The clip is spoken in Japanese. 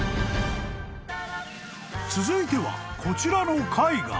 ［続いてはこちらの絵画］